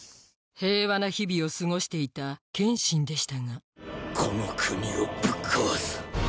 平和な日々を過ごしていた剣心でしたがこの国をぶっ壊す！